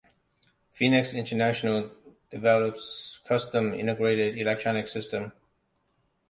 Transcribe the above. Phoenix International develops custom, integrated electronic systems.